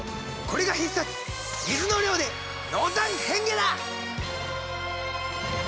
これが必殺水の量で濃淡変化だ！